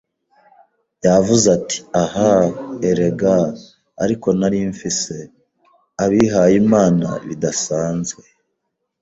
Yavuze ati: “Ah, erega, ariko nari mfise - abihayimana bidasanzwe.